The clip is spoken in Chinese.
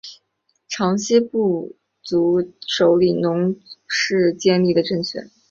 长其部族首领侬氏建立的政权。